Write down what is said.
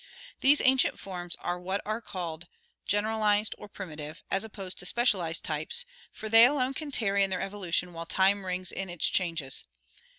These ancient forms are what are called generalized or primitive, as opposed to specialized types, for they alone can tarry in their evolution while time rings in its changes.